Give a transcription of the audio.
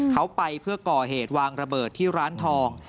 เขาไปเพื่อก่อเหตุวางระเบิดที่ร้านทอง